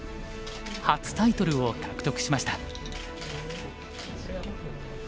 初タイトルを獲得しました。